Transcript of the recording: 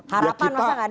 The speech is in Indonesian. harapan masa nggak ada